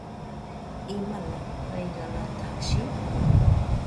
¿Imalaq hayqalataqshi?